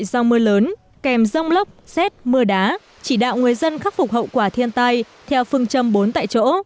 do mưa lớn kèm rông lốc xét mưa đá chỉ đạo người dân khắc phục hậu quả thiên tai theo phương châm bốn tại chỗ